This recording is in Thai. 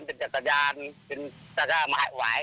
เห็นเขาเป็นเค้าขี้